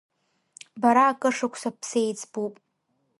Бара акыршықәса бсеиҵбуп…